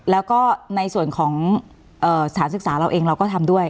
แล้วก็ในส่วนของสถานศึกษาเราเองเราก็ทำด้วย